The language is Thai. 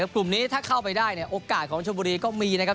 กลุ่มนี้ถ้าเข้าไปได้เนี่ยโอกาสของชมบุรีก็มีนะครับ